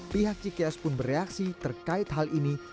pihak cikias pun bereaksi terkait hal ini